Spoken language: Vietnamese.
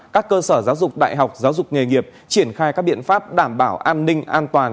các cơ sở giáo dục đại học giáo dục nghề nghiệp triển khai các biện pháp đảm bảo an ninh an toàn